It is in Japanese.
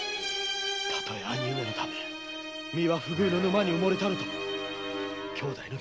例え兄上のために身は不遇の沼に埋もれたるとも兄弟の絆は絶ち難い。